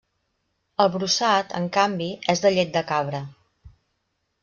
El brossat, en canvi, és de llet de cabra.